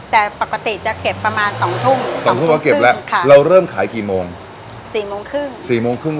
แต่ปกติจะเก็บประมาณ๒ทุ่ม๒ทุ่มก็เก็บแล้วเราเริ่มขายกี่โมง๔โมงครึ่ง